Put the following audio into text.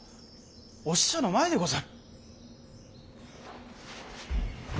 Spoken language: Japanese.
お使者の前でござる。